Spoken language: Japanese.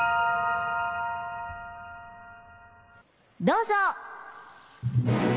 どうぞ。